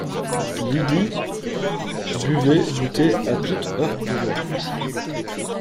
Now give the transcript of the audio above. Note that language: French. Lydie buvait du thé à toute heure du jour.